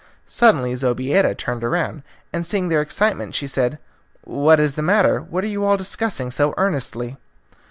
Suddenly Zobeida turned round, and seeing their excitement she said, "What is the matter what are you all discussing so earnestly?"